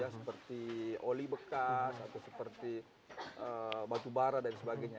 seperti oli bekas atau seperti batu bara dan sebagainya